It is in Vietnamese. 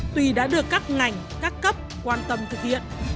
tuy đã được các ngành các cấp quan tâm thực hiện